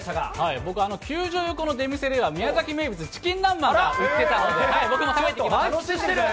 僕、球場横の出店では、宮崎名物、チキン南蛮が売ってたので、僕も食べてきました。